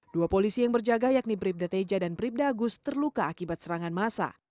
dua polisi yang berjaga yakni bribda teja dan bribda agus terluka akibat serangan masa